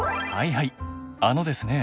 はいあのですね